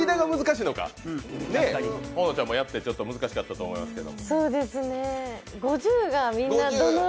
ほのちゃんもやって、難しかったと思いますけど。